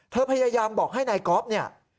พยายามบอกให้นายก๊อฟเนี่ย